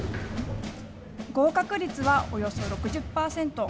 合格率はおよそ６０％。